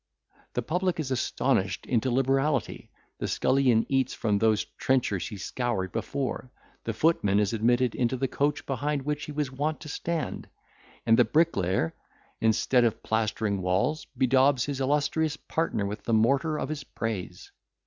—The public is astonished into liberality—the scullion eats from those trenchers he scoured before—the footman is admitted into the coach behind which he was wont to stand—and the bricklayer, instead of plastering walls, bedaubs his illustrious partner with the mortar of his praise.